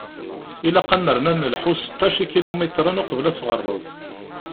Ilaq ad nernu ad nelḥu seṭṭac ikilumitren uqbel ad tɣerreb.